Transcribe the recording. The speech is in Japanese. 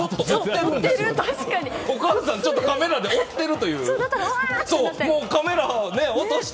お母さんがカメラで追ってるということで。